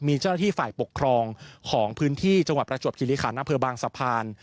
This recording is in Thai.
มีเจ้าหน้าที่ฝ่ายปกครองของพื้นที่จังหวัดประจวบคิริขันอำเภอบางสะพาน